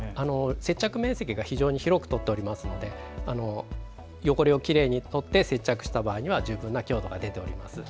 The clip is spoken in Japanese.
接着面積が非常に多く取っておりますので汚れをきれいに取って接着した場合には十分な強度が出ます。